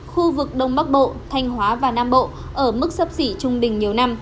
khu vực đông bắc bộ thanh hóa và nam bộ ở mức sấp xỉ trung bình nhiều năm